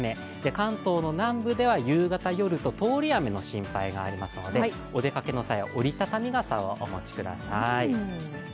関東の南部では夕方、夜と通り雨の心配がありますので、お出かけの際は折りたたみ傘をお持ちください。